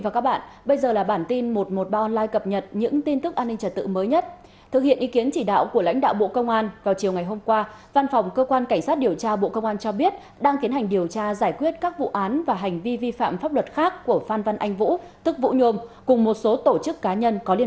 cảm ơn các bạn đã theo dõi